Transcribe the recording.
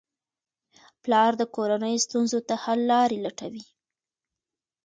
پلار د کورنۍ ستونزو ته حل لارې لټوي.